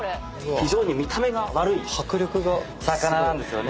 非常に見た目が悪いお魚なんですよね。